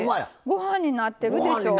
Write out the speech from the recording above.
ご飯になってるでしょ。